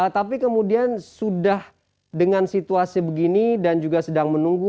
tapi kemudian sudah dengan situasi begini dan juga sedang menunggu